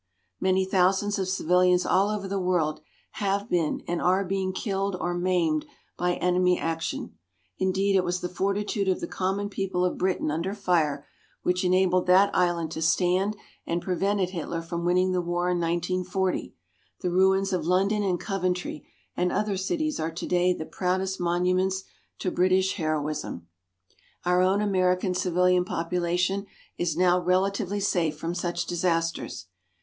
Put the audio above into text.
Many thousands of civilians all over the world have been and are being killed or maimed by enemy action. Indeed, it was the fortitude of the common people of Britain under fire which enabled that island to stand and prevented Hitler from winning the war in 1940. The ruins of London and Coventry and other cities are today the proudest monuments to British heroism. Our own American civilian population is now relatively safe from such disasters.